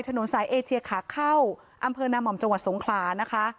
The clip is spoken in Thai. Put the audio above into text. ถนนสายเอเชียขาเข้าอำเภอนาม่อมจังหวัดสงขลานะคะ